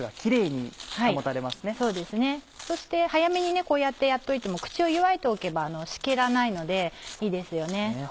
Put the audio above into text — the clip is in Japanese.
そして早めにこうやってやっといっても口を結わいておけばしけらないのでいいですよね。